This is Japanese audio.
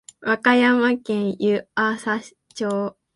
和歌山県湯浅町